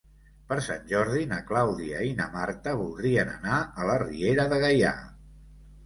Per Sant Jordi na Clàudia i na Marta voldrien anar a la Riera de Gaià.